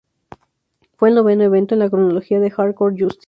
Fue el noveno evento en la cronología de Hardcore Justice.